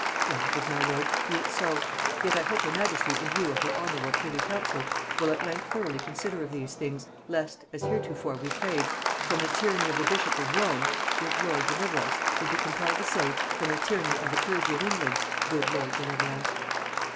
Well, my good lord, be it so; yet I hope her majesty and you of her honorable privy council will at length thoroughly consider of these things, lest, as heretofore we prayed, From the tyranny of the bishop of Rome, good Lord deliver us, we be compelled to say, From the tyranny of the clergy of England, good Lord deliver us.